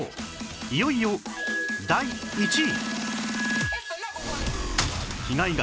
いよいよ第１位！